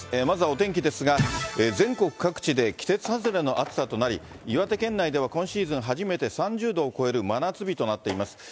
まずはお天気ですが、全国各地で季節外れの暑さとなり、岩手県内では今シーズン初めて、３０度を超える真夏日となっています。